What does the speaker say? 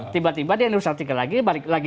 tiba tiba dia nulis artikel lagi balik lagi